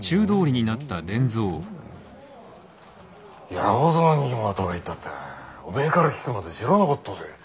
八百蔵に妹がいたたぁおめえから聞くまで知らなかったぜ。